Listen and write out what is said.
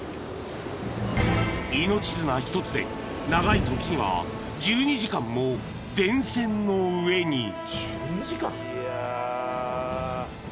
［命綱１つで長いときには１２時間も電線の上に］